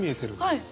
はい。